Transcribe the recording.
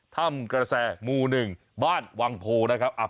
ถ้ำกระแสหมู่๑บ้านวังโพนะครับ